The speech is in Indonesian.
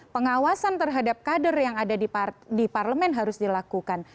pengawasan terhadap kader yang ada di parlemen harus dilakukan